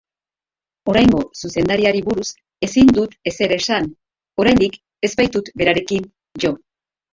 Oraingo zuzendariari buruz ezin dut ezer esan, oraindik ez baitut berarekin jo.